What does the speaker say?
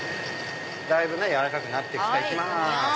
だいぶ柔らかくなって来た！行きます。